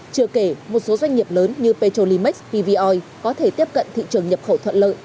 chưa kể một số doanh nghiệp lớn như petrolimax pvoi có thể tiếp cận thị trường nhập khẩu thuận lợi